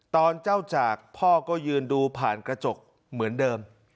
เจ้าจากพ่อก็ยืนดูผ่านกระจกเหมือนเดิม